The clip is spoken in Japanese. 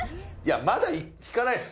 まだ引かないです。